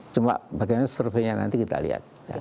cuma bagiannya surveinya nanti kita lihat